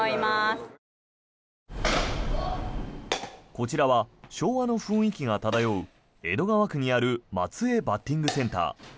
こちらは昭和の雰囲気が漂う江戸川区にある松江バッティングセンター。